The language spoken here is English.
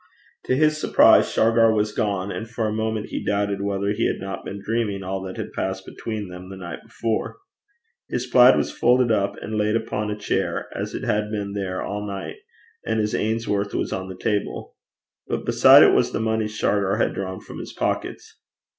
To his surprise Shargar was gone, and for a moment he doubted whether he had not been dreaming all that had passed between them the night before. His plaid was folded up and laid upon a chair, as if it had been there all night, and his Ainsworth was on the table. But beside it was the money Shargar had drawn from his pockets.